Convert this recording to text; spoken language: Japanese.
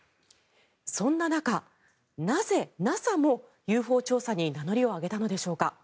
そんな中、なぜＮＡＳＡもＵＦＯ調査に名乗りを上げたのでしょうか。